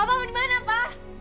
papa mau dimana pa